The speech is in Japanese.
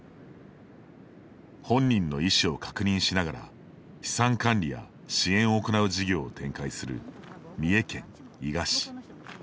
本人の意思を確認しながら資産管理や支援を行う事業を展開する三重県伊賀市。